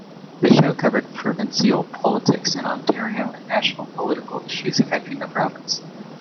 The show covered provincial politics in Ontario and national political issues affecting the province.